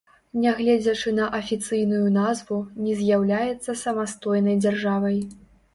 Нягледзячы на афіцыйную назву, не з'яўляецца самастойнай дзяржавай.